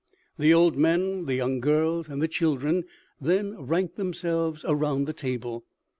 The old men, the young girls and the children then ranked themselves around the table.